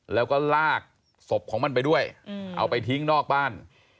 แล้วก็ลากศพของมันไปด้วยเอาไปทิ้งนอกบ้าน